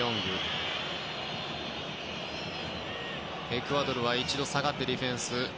エクアドルは一度下がってディフェンス。